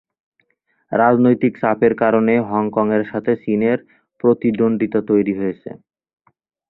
রাজনৈতিক চাপের কারণে হংকংয়ের সাথে চীনের প্রতিদ্বন্দ্বিতা তৈরি হয়েছে।